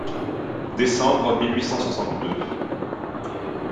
Décembre mille huit cent soixante-deux.